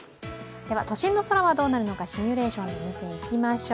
都心の空はどうなるのかシミュレーションで見ていきましょう。